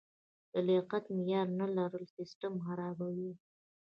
د لیاقت معیار نه لرل سیستم خرابوي.